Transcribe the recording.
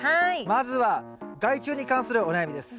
まずは害虫に関するお悩みです。